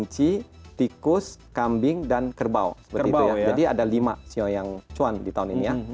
jadi ada lima sio yang cuan di tahun ini ya